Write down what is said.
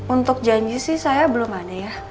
untuk janji sih saya belum ada ya